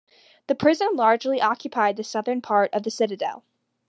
The prison largely occupied the southern part of the citadel.